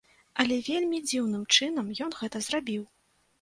Але вельмі дзіўным чынам ён гэта зрабіў.